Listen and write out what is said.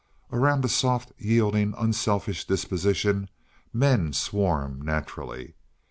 Around a soft, yielding, unselfish disposition men swarm naturally.